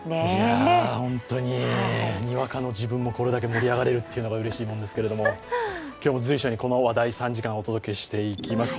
にわかの自分もこれだけ盛り上がれるのがすごいですけども今日も随所にこの話題３時間お届けしていきます。